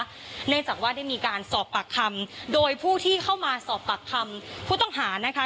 เนื่องจากว่าได้มีการสอบปากคำโดยผู้ที่เข้ามาสอบปากคำผู้ต้องหานะคะ